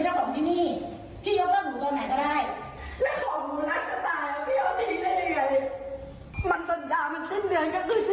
มันยังอยู่ที่พี่ไม่มีสิบเดือนของหนูอ่ะ